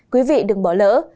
quý vị đừng bỏ lỡ